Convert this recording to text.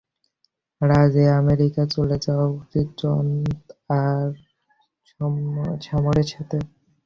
রাজ - এর আমেরিকা চলে যাওয়া উচিত, জন আর সামরের সাথে।